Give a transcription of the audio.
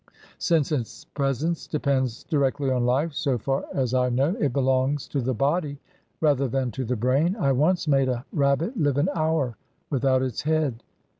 Since its presence depends directly on life, so far as I know, it belongs to the body rather than to the brain. I once made a rabbit live an hour without its head.